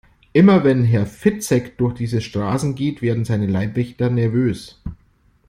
Immer wenn Herr Fitzek durch diese Straßen geht, werden seine Leibwächter nervös.